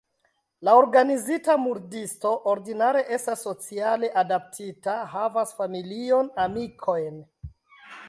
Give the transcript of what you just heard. La organizita murdisto ordinare estas sociale adaptita, havas familion, amikojn.